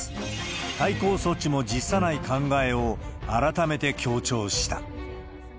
対抗措置も辞さない考えを改めて強調した。